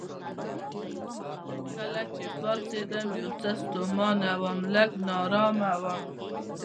کله چې راپاڅېدم یو څه ستومانه وم، لږ نا ارامه وم.